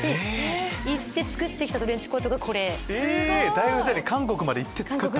大学時代に韓国まで行って作った！